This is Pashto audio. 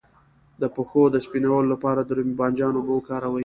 د پښو د سپینولو لپاره د رومي بانجان اوبه وکاروئ